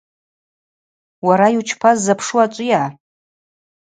Уара йучпаз запшу ачӏвыйа?